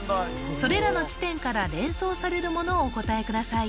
それらの地点から連想されるものをお答えください